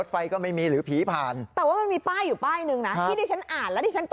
วันไหนเสียวันไหนดี